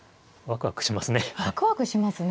ワクワクしますね。